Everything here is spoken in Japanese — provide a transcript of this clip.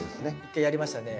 １回やりましたね。